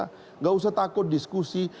tidak usah takut diskusi